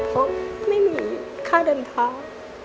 เพราะไม่มีค่าเดินทาง